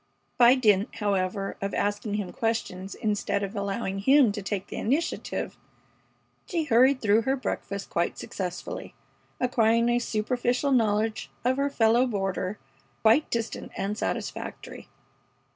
By dint, however, of asking him questions instead of allowing him to take the initiative, she hurried through her breakfast quite successfully, acquiring a superficial knowledge of her fellow boarder quite distant and satisfactory.